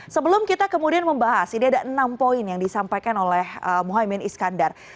sebelum kita kemudian membahas ini ada enam poin yang disampaikan oleh mohaimin iskandar